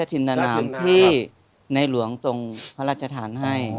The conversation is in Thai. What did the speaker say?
ขอบคุณครับ